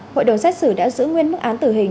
hội đồng xét xử đã giữ nguyên mức án tử hình